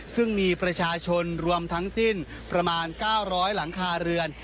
ซึ่งมีประชาชนรวมทั้งสิ้นประมาณ๙๐๐หลังคาเรือน